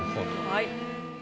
はい。